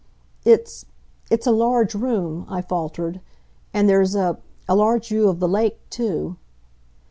"It's it's a large room," I faltered. "And there's a a large view of the lake, too."